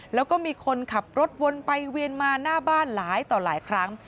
แล้วก็มีคนขับรถวนไปเวียนมาหน้าบ้านหลายต่อหลายครั้ง